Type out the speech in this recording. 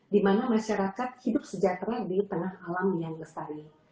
dimana masyarakat hidup sejahtera di tengah alam yang lestari